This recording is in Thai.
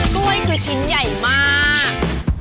กล้วยคือชิ้นใหญ่มาก